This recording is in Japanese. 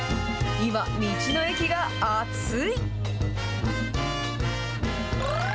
今、道の駅が熱い。